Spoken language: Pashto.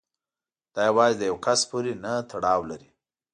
دا یوازې د یو کس پورې نه تړاو لري.